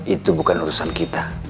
itu bukan urusan kita